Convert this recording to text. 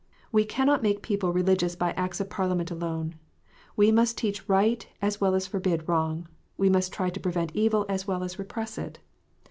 We cannot make people religious by Acts of Parliament alone. We must teach right as well as forbid wrong : we must try to prevent evil as well as repress it.